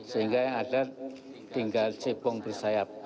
sehingga yang ada tinggal cepong bersayap